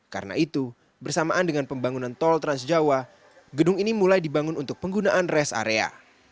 karena itu bersamaan dengan pembangunan tol transjawa gedung ini mulai dibangun untuk penggunaan res area